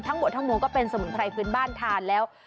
ทั้งหมดทั้งมวลก็เป็นสมุนไพรพื้นบ้านทานแล้ว